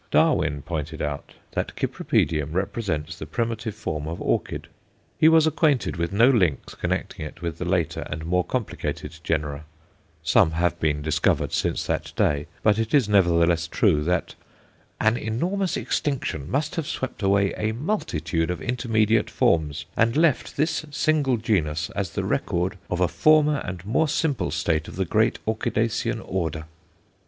Darwin pointed out that Cypripedium represents the primitive form of orchid. He was acquainted with no links connecting it with the later and more complicated genera; some have been discovered since that day, but it is nevertheless true that "an enormous extinction must have swept away a multitude of intermediate forms, and left this single genus as the record of a former and more simple state of the great orchidacean order."